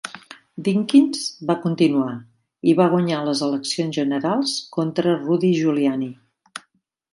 Dinkins va continuar i va guanyar les eleccions generals contra Rudy Giuliani.